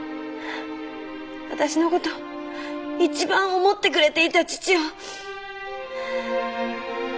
私の事一番思ってくれていた父を。